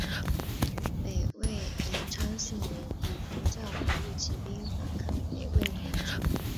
北魏延昌四年以佛教名义起兵反抗北魏统治。